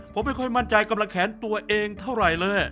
ผมไม่ค่อยมั่นใจกำลังแขนตัวเองเท่าไหร่เลย